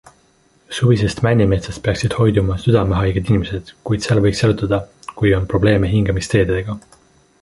Suvisest männimetsast peaksid hoiduma südamehaiged inimesed, kuid seal võiks jalutada, kui on probleeme hingamisteedega.